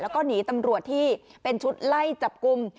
แล้วก็หนีตำรวจที่เป็นชุดไล่จับกลุ่ม